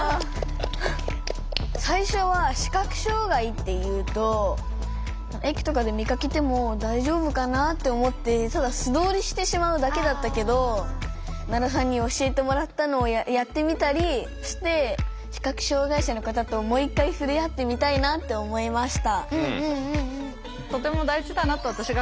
最初は視覚障害っていうと駅とかで見かけても大丈夫かなって思ってただ素通りしてしまうだけだったけど奈良さんに教えてもらったのをやってみたりして視覚障害者の方ともう一回触れ合ってみたいなって思いました。